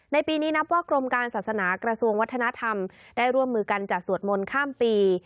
ปีนี้นับว่ากรมการศาสนากระทรวงวัฒนธรรมได้ร่วมมือกันจัดสวดมนต์ข้ามปี